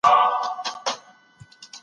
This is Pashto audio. لوی خدای ادم ته د شیانو نومونه ور زده کړل.